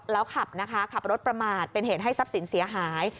แล้วขับนะคะขับรถประมาทเป็นเหตุให้ทรัพย์สินเสียหาย